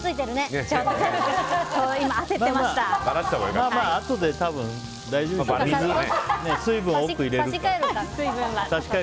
まあ、あとで多分大丈夫でしょ。